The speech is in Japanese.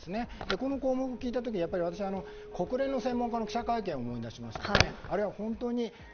この項目を聞いた時私は国連の専門家の記者会見を思い出しました。